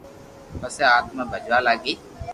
پسي آٽتما بجوا لاگي